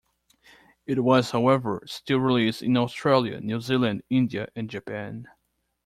It was, however, still released in Australia, New Zealand, India and Japan.